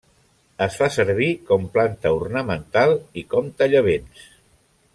Es fa servir com planta ornamental i com tallavents.